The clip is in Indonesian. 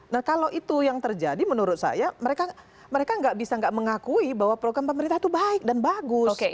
nah kalau itu yang terjadi menurut saya mereka nggak bisa nggak mengakui bahwa program pemerintah itu baik dan bagus